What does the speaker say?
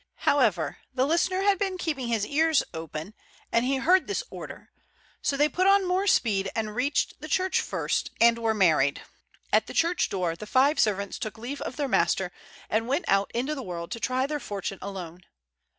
However, the listener had been keeping his ears open, and he heard this order; so they put on more speed and reached the church first, and were married. At the church door the five servants took leave of their master and went out into the world to try their fortune alone.